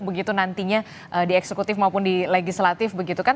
begitu nantinya di eksekutif maupun di legislatif begitu kan